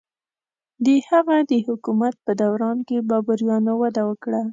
د هغه د حکومت په دوران کې بابریانو وده وکړه.